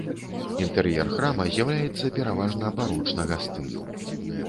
Інтэр'ер храма з'яўляецца пераважна барочнага стылю.